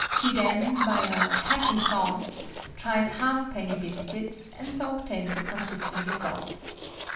She then, by a "happy thought," tries half penny biscuits, and so obtains a consistent result.